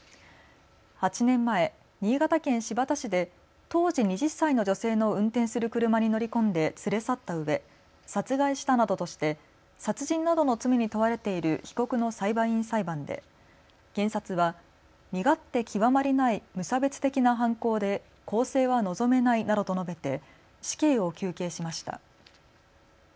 ８年前、新潟県新発田市で当時２０歳の女性の運転する車に乗り込んで連れ去ったうえ殺害したなどとして殺人などの罪に問われている被告の裁判員裁判で検察は身勝手極まりない無差別的な犯行で更生は望めないなどと述べて死刑を求刑しました。